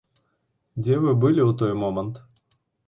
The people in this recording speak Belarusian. Дзе вы былі ў той момант?